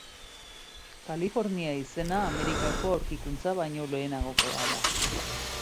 Kalifornia izena Amerikako aurkikuntza baino lehenagokoa da.